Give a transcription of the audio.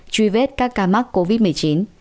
truy vết các ca mắc covid một mươi chín